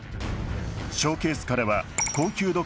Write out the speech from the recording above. ショーケースからは高級時計